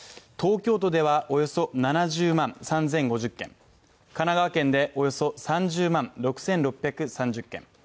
東京都では、およそ７０万３０５０軒、神奈川県でおよそ３０万６６３０軒